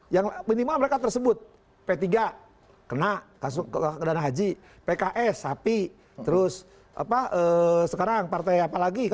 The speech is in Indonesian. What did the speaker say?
yang minimal mereka tersebut p tiga kena kasus dana haji pks sapi terus sekarang partai apa lagi